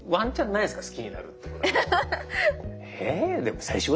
好きになるってこと。